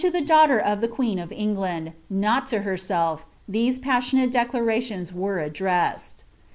ie daughter of ihc queen nf England, r iL^'plf, these passionate declamliona were addressed.